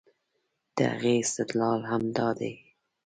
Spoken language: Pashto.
د هغې استدلال همدا دی